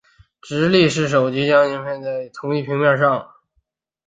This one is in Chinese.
直立式手机一般将萤幕及按键设计成在同一平面上。